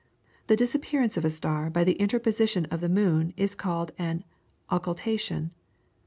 The disappearance of a star by the interposition of the moon is called an "occultation."